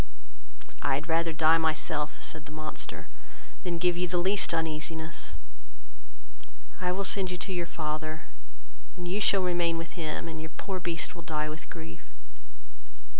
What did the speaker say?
"I had rather die myself, (said the monster,) than give you the least uneasiness: I will send you to your father, you shall remain with him, and poor Beast will die with grief."